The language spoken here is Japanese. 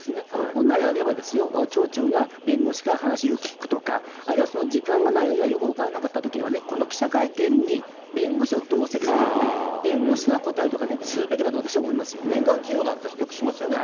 本来であれば、町長が弁護士から話を聞くとか、あるいはその時間がない、あるいはよく分からなかったときには、この記者会見に弁護士を同席するとか、弁護士が答えるとかね、す民間企業なんて、よくしますよね。